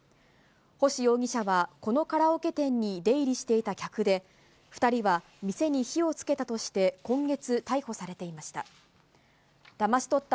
星容疑者は、このカラオケ店に出入りしていた客で、２人は店に火をつけたとして今月、逮捕されていました。